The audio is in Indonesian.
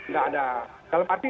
gak ada dalam arti